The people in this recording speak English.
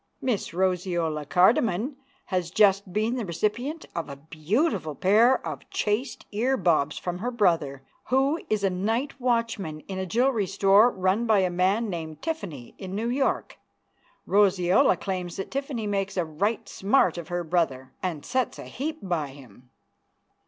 Miss Roseola Cardiman has just been the recipient of a beautiful pair of chaste ear bobs from her brother, who is a night watchman in a jewelry store run by a man named Tiffany in New York. Roseola claims that Tiffany makes a right smart of her brother, and sets a heap by him.